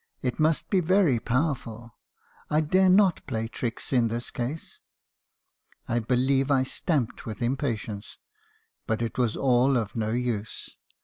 It must be very powerful. I dare not play tricks in this case.' "I believe I stamped with impatience; but it was all of no use.